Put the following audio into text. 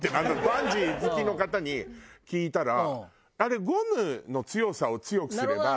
バンジー好きの方に聞いたらあれゴムの強さを強くすれば。